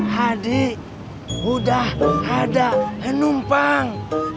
hadi udah ada penumpang